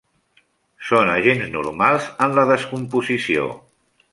Són agents normals en la descomposició.